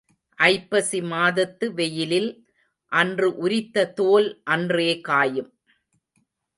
ஐப்பசி மாதத்து வெயிலில் அன்று உரித்த தோல் அன்றே காயும்.